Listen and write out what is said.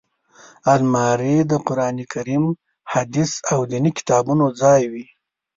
الماري د قران کریم، حدیث او ديني کتابونو ځای وي